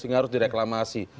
sehingga harus direklamasi